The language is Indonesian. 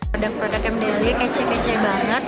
produk produk mdly kece kece banget